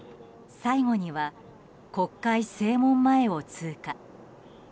最後には国会正門前を通過。